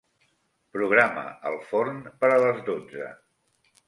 Programa el forn per a les dotze.